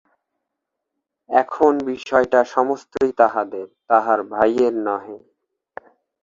এখন বিষয়টি সমস্তই তাহাদের, তাহার ভাইয়ের নহে।